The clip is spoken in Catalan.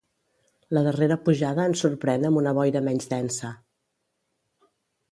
La darrera pujada ens sorprèn amb una boira menys densa.